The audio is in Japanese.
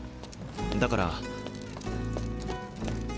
だから。